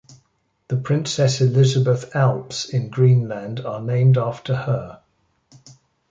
The Princess Elizabeth Alps in Greenland are named after her.